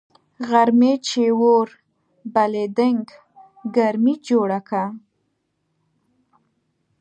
غرمې چي اور بلېدنگ ګرمي جوړه که